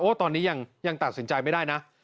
ตอนนี้ยังตัดสินใจไม่ได้นะ